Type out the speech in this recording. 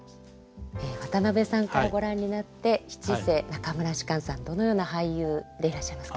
渡辺さんからご覧になって七世中村芝さんどのような俳優でいらっしゃいますか？